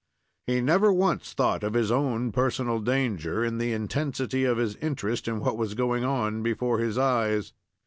He never once thought of his own personal danger, in the intensity of his interest in what was going on before his eyes.